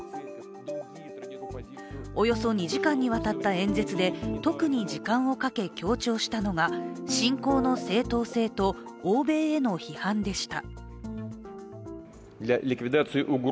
およそ２時間にわたった演説で特に時間をかけ強調したのが侵攻の正当性と欧米への批判でした。